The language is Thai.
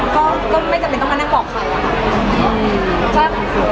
ก็ไม่จำเป็นต้องมานั่งบอกใครอะค่ะ